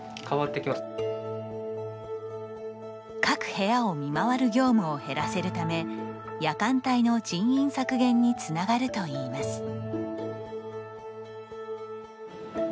各部屋を見回る業務を減らせるため夜間帯の人員削減につながるといいます。